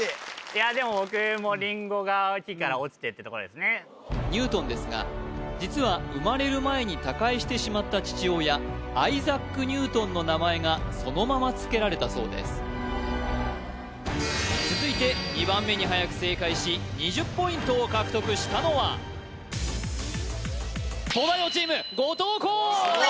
いやでも僕もリンゴが木から落ちてってとこですねニュートンですが実は生まれる前に他界してしまった父親アイザック・ニュートンの名前がそのままつけられたそうです続いて２番目にはやく正解し２０ポイントを獲得したのは東大王チーム後藤弘